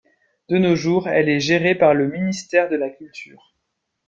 De nos jours, elle est gérée par le ministère de la Culture.